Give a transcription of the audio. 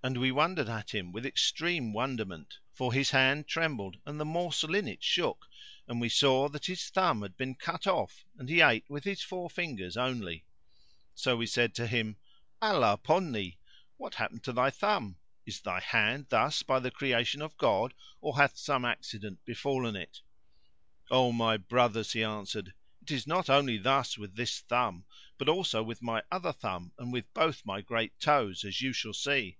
And we wondered at him with extreme wonderment, for his hand trembled and the morsel in it shook and we saw that his thumb had been cut off and he ate with his four fingers only. So we said to him, "Allah upon thee, what happened to thy thumb? Is thy hand thus by the creation of God or hath some accident befallen it?" "O my brothers," he answered, "it is not only thus with this thumb, but also with my other thumb and with both my great toes, as you shall see."